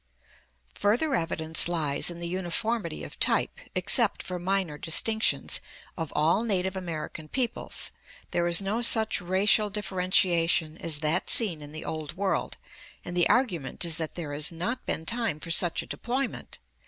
Further evidence lies in the uniformity of type, except for minor distinctions, of all native American peoples. There is no such racial differentiation as that seen in the Old World, and the argu ment is that there has not been time for such a deployment.